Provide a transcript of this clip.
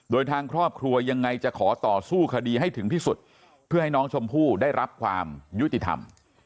โดยทางครอบครัวยังไงจะขอต่อสู้คดีให้ถึงที่สุดเพื่อให้น้องชมพู่ได้รับความยุติธรรม